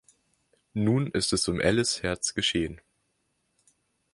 Nun ist es um Alices Herz geschehen.